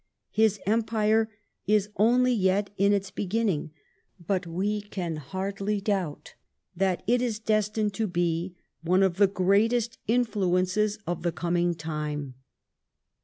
His empire is only yet in its beginning, but we can hardly doubt that it is destined to be one of the greatest influences of the coming time.